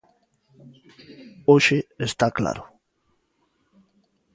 Hoxe está claro.